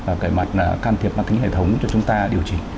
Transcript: và cả về mặt can thiệp mạng kính hệ thống cho chúng ta điều chỉnh